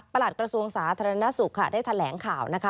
ประหลัดกระทรวงศาสตร์ธรรณสุขได้แถลงข่าวนะคะ